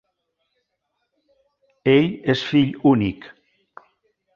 Ell és fill únic.